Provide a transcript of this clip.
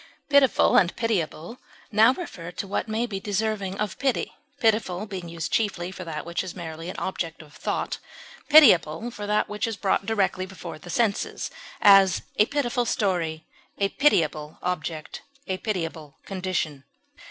Pitiful and pitiable now refer to what may be deserving of pity, pitiful being used chiefly for that which is merely an object of thought, pitiable for that which is brought directly before the senses; as, a pitiful story; a pitiable object; a pitiable condition.